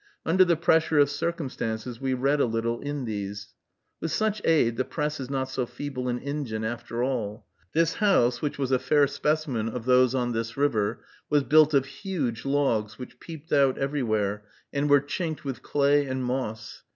Under the pressure of circumstances, we read a little in these. With such aid, the press is not so feeble an engine, after all. This house, which was a fair specimen of those on this river, was built of huge logs, which peeped out everywhere, and were chinked with clay and moss.